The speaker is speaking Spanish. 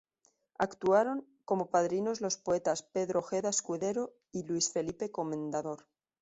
Actuaron como padrinos los poetas Pedro Ojeda Escudero y Luis Felipe Comendador.